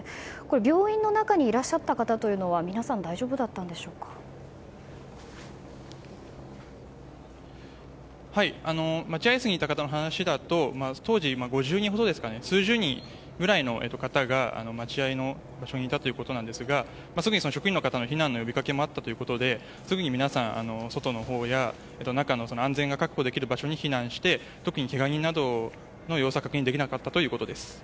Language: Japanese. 病院の中にいらっしゃった方は待合席にいた方の話だと当時、数十人の方が待合の場所にいたということなんですがすぐに職員の方の避難の呼びかけもありすぐに皆さん外のほうや中の安全が確保できる場所に避難をして特にけが人などの様子は確認できなかったということです。